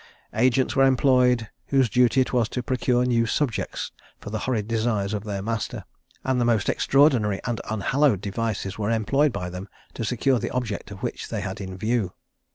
Agents were employed, whose duty it was to procure new subjects for the horrid desires of their master, and the most extraordinary and unhallowed devices were employed by them to secure the object which they had in view.